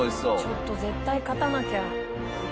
ちょっと絶対勝たなきゃ。